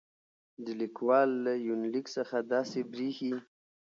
د ليکوال له يونليک څخه داسې برېښي